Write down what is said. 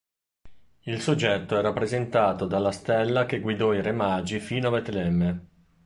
Il soggetto è rappresentato dalla stella che guidò i Re Magi fino a Betlemme.